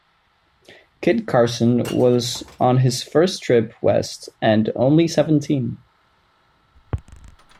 Kit Carson was on his first trip west and only seventeen.